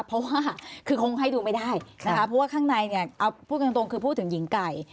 เพราะว่าคือคงให้ดูไม่ได้นะคะเพราะว่าข้างในเนี่ยเอาพูดกันตรงคือพูดถึงหญิงไก่